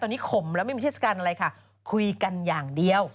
ตอนนี้ขมแล้วไม่มีเชฟสการคุยกันอย่างเดียว